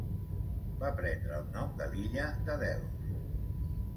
Va prendre el nom de l'illa de Delos.